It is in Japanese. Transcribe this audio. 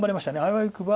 あわよくば。